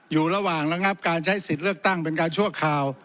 อยู่ระหว่างระงับการใช้สิทธิ์เลือกตั้งเป็นการชั่วคราว